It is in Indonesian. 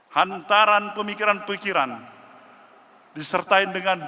hantaran pemikiran pemikiran disertai dengan